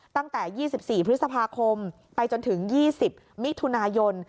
ตั้งแต่๒๔พฤษภาคมไปจนถึง๒๐มิถุนายน